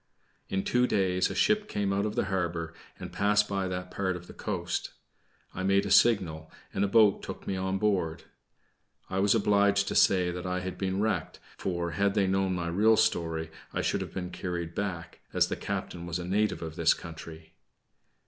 In two days a ship came out of the harbor, and passed by that part of the coast. I made a signal, and a boat took me on board. I was obliged to say that I had been wrecked; for, had they known my real story, I should have been carried back, as the captain was a native of this country.